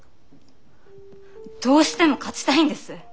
どうしても勝ちたいんです！